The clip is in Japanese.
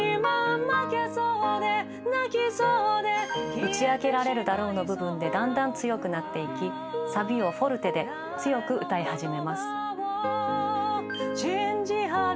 「打ち明けられるだろう」の部分でだんだん強くなっていきサビをフォルテで強く歌い始めます。